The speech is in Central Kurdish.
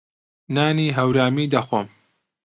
نانی هەورامی دەخۆم.